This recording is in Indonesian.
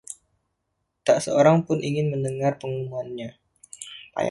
Tak seorang pun ingin mendengar pengumumannya.